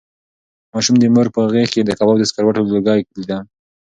ماشوم د مور په غېږ کې د کباب د سګرټو لوګی لیده.